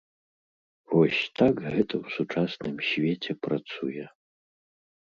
Вось так гэта ў сучасным свеце працуе.